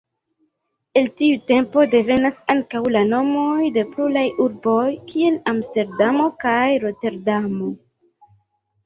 El tiu tempo devenas ankaŭ la nomoj de pluraj urboj, kiel Amsterdamo kaj Roterdamo.